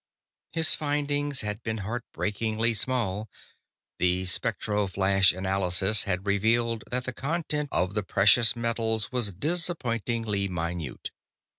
His findings had been heart breakingly small; the spectro flash analysis had revealed that the content of the precious metals was disappointingly minute.